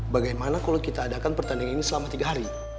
bagaimana kalau kita adakan pertandingan ini selama tiga hari